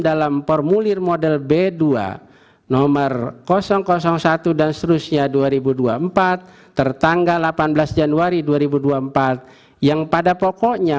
dalam formulir model b dua nomor satu dan seterusnya dua ribu dua puluh empat tertanggal delapan belas januari dua ribu dua puluh empat yang pada pokoknya